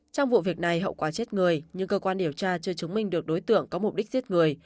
trong vụ việc này hậu quả chết người nhưng cơ quan điều tra chưa chứng minh được đối tượng có mục đích giết người